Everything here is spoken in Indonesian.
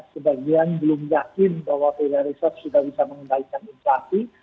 sebagian belum yakin bahwa pedagang riset sudah bisa mengendalikan insafi